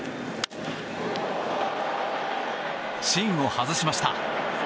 芯を外しました。